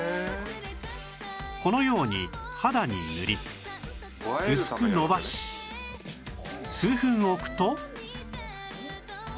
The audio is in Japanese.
このように肌に塗り薄く延ばし数分置くと